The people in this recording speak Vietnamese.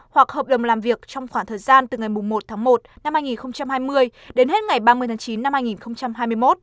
hoặc hợp đồng làm việc trong khoảng thời gian từ ngày một tháng một năm hai nghìn hai mươi đến hết ngày ba mươi tháng chín năm hai nghìn hai mươi một